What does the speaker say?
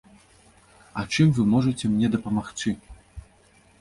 А чым вы можаце мне дапамагчы?